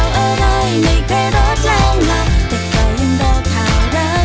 ถ่ายกับหน้าแบบแบบแหละ